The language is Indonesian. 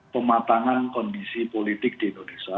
pematangan kondisi politik di indonesia